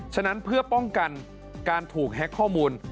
ฉะนั้นเพื่อป้องกันการถูกแฮ็กข้อมูล